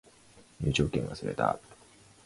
入場券忘れた